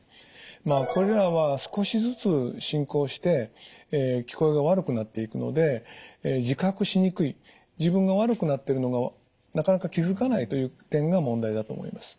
まあこれらは少しずつ進行して聞こえが悪くなっていくので自覚しにくい自分が悪くなってるのがなかなか気付かないという点が問題だと思います。